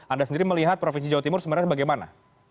anda sendiri melihat provinsi jawa timur sebenarnya bagaimana